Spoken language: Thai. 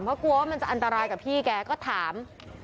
เพราะกลัวว่ามันจะอันตรายกับพี่แกก็ถาม